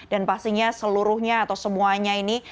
dan pastinya seluruhnya atau semuanya ini